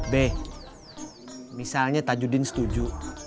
be misalnya tajudin setuju